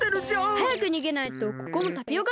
はやくにげないとここもタピオカだらけになりますよ。